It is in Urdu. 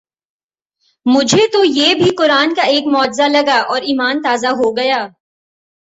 مجھے تو یہ بھی قرآن کا ایک معجزہ لگا اور ایمان تازہ ہوگیا